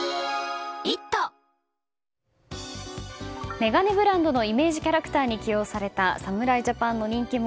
眼鏡ブランドのイメージキャラクターに起用された侍ジャパンの人気者